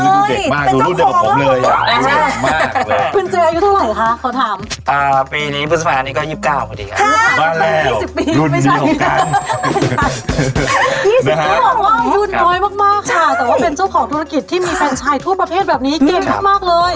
ต้องบอกว่าอายุน้อยมากค่ะแต่ว่าเป็นเจ้าของธุรกิจที่มีแฟนชายทั่วประเทศแบบนี้เก่งมากเลย